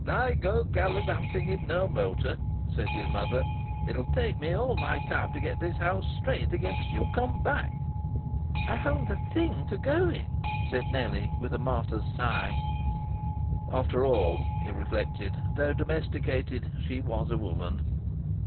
"I go about gallivanting in no motor," said his mother. "It'll take me all my time to get this house straight against you come back." "I haven't a thing to go in!" said Nellie, with a martyr's sigh. After all (he reflected), though domesticated, she was a woman.